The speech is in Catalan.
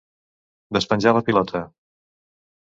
Despenjar la pilota.